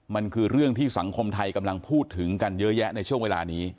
มันคือเรื่องที่สังคมไทยกำลังพูดถึงกันเยอะแยะในช่วงเวลานี้